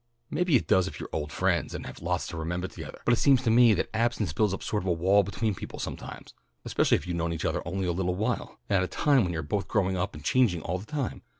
"Maybe it does if you're old friends, and have lots to remembah togethah, but it seems to me that absence builds up a sawt of wall between people sometimes, especially if you've known each othah only a little while, and at a time when you're both growing up and changing all the time.